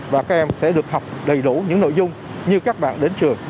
và các em sẽ được học đầy đủ những nội dung như các bạn đến trường